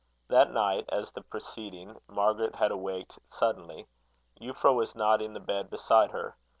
That night, as the preceding, Margaret had awaked suddenly. Euphra was not in the bed beside her.